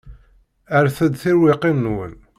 Rret-d tiwriqin-nwen.